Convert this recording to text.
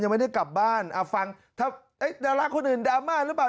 ไม่ได้กลับบ้านฟังถ้าดาราคนอื่นดราม่าหรือเปล่า